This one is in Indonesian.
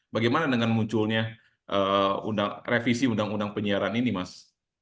bagaimana dengan munculnya revisi undang undang penyiaran ini mas